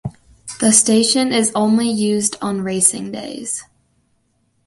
The station is only used on racing days.